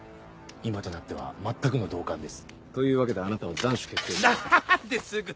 今となっては全くの同感です。というわけであなたは斬首決定です。